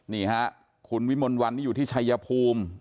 นี่ฮะคุณวิมลวันนี่อยู่ที่ชายภูมิ